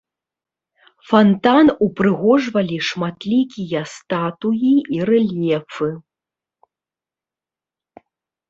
Фантан упрыгожвалі шматлікія статуі і рэльефы.